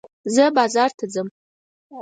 زه بازار ته ځم.